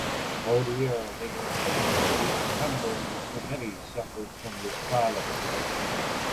Odier later admitted that each member of the Committee suffered from this silence.